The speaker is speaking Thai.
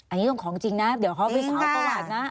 อันนี้ต้องของจริงนะเดี๋ยวเขาไปสารประวัตินะ